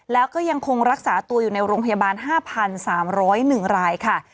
แล้วก็ยังคงรักษาตัวอยู่ในโรงพยาบาล๕๓๐๑รายค่ะ